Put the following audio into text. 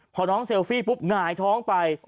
พอน้องเซลฟี่ปุ๊บหงายท้องไป